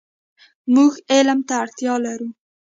مونږ علم ته اړتیا لرو .